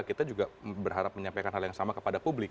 kita juga berharap menyampaikan hal yang sama kepada publik